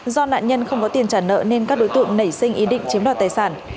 do nạn nhân không có tiền trả nợ nên các đối tượng nảy sinh ý định chiếm đoạt tài sản